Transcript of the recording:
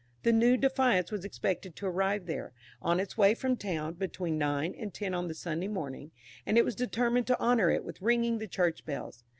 The new "Defiance" was expected to arrive there, on its way from town, between nine and ten on the Sunday morning, and it was determined to honour it with ringing the church bells.